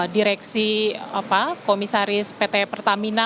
direksi komisaris pt pertamina